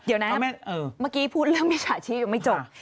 เดี๋ยวนะเมื่อกี้พูดเรื่องมิจฉาชีพยังไม่จบ